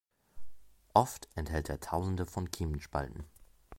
Oft enthält er Tausende von Kiemenspalten.